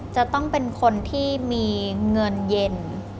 จะต้องเป็นคนที่มีเงินเย็น